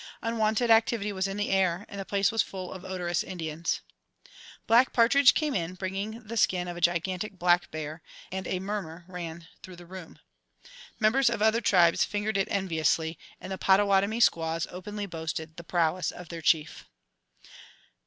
Unwonted activity was in the air, and the place was full of odorous Indians. Black Partridge came in, bringing the skin of a gigantic black bear, and a murmur ran through the room. Members of other tribes fingered it enviously, and the Pottawattomie squaws openly boasted the prowess of their chief.